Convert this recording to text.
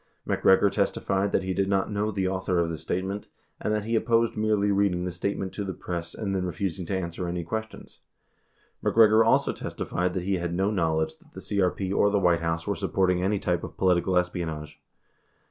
88 MacGregor testified that he did not know the author of the statement, and that he opposed merely reading the statement to the press and then refusing to answer any questions. MacGregor also testified that he had no knowledge that the CRP or the White House were supporting any type of political espionage.